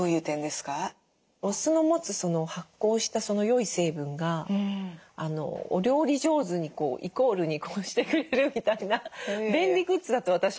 お酢の持つ発酵した良い成分がお料理上手にこうイコールにこうしてくれるみたいな便利グッズだと私は思っていて。